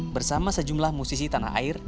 bersama sejumlah musisi tanah air